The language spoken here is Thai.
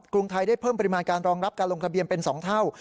รุงไทยได้เพิ่มปริมาณการรองรับการลงทะเบียนเป็น๒เท่า